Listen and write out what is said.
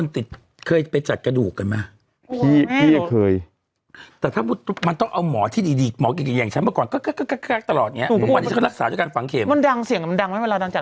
แต่บางทีมันก็ไม่ควรเหมือนกันนะฮะ